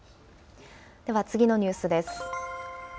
では、次のニュースです。